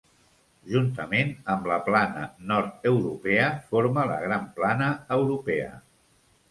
Juntament amb la plana nord-europea forma la gran plana europea.